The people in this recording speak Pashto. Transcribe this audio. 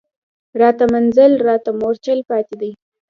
راته منزل راته مورچل پاتي دی